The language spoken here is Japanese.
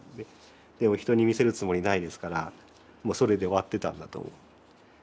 でも人に見せるつもりないですからもうそれで終わってたんだと思う。